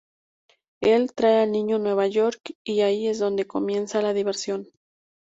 Él trae al niño a Nueva York, y allí es donde comienza la diversión.